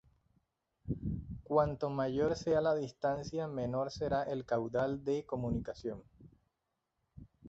Cuanto mayor sea la distancia, menor será el caudal de comunicación.